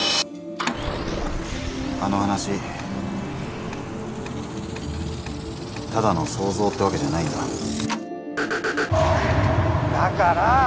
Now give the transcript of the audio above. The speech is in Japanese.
あの話ただの想像ってわけじゃないんだだから！